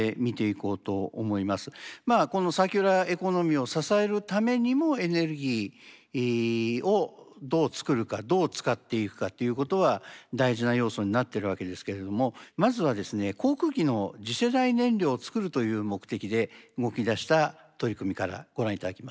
まあこのサーキュラーエコノミーを支えるためにもエネルギーをどう作るかどう使っていくかっていうことは大事な要素になってるわけですけれどもまずはですね航空機の次世代燃料を作るという目的で動きだした取り組みからご覧頂きます。